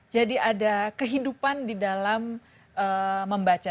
jadi ada kehidupan di dalam membaca